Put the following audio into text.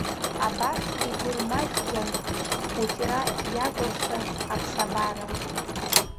Абас игәырмаҷган схәыҷра иакәыршаз аԥсабара.